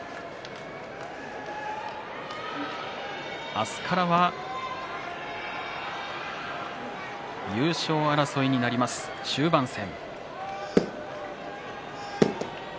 明日からは優勝争いになります、終盤戦。